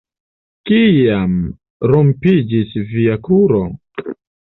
Kiam rompiĝis via kruro?